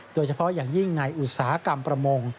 โดยเฉพาะอย่างยิ่งในอุตสาหกรรมประมง